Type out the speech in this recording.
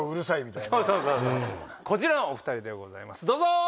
こちらのお２人でございますどうぞ！